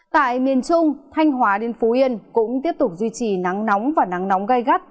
tại miền trung thanh hóa đến phú yên cũng tiếp tục duy trì nắng nóng và nắng nóng gai gắt